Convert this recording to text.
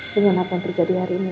dengan apa yang terjadi hari ini